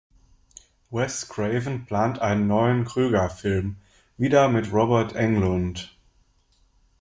Wes Craven plant einen neuen Krueger-Film, wieder mit Robert Englund.